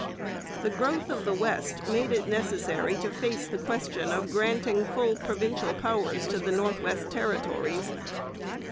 The growth of the West made it necessary to face the question of granting full provincial powers to the North West Territories.